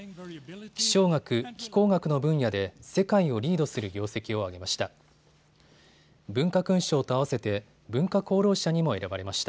気象学・気候学の分野で世界をリードする業績を挙げました。